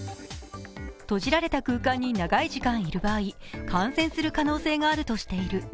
閉じられた空間に長い時間いる場合、感染する可能性があるとしている。